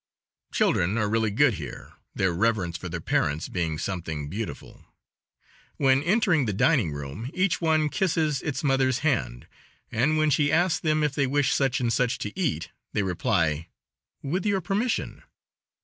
Children are really good here, their reverence for their parents being something beautiful. When entering the dining room each one kisses its mother's hand, and when she asks them if they wish such and such to eat they reply: "With your permission."